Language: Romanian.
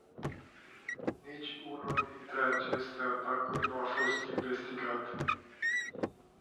Niciunul dintre aceste atacuri nu a fost investigat.